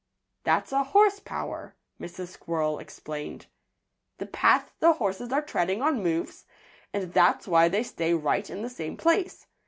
"That's a horse power," Mrs. Squirrel explained. "The path the horses are treading on moves, and that's why they stay right in the same place.